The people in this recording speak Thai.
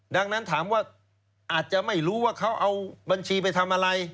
ดังนั้นถามว่าอาจจะไม่รู้ว่าเขาเอาบัญชีไปทำอะไร